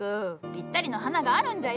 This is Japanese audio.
ぴったりの花があるんじゃよ。